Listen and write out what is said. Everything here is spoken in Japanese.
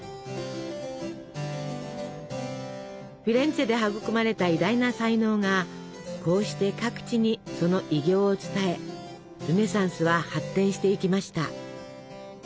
フィレンツェで育まれた偉大な才能がこうして各地にその偉業を伝えルネサンスは発展していきました。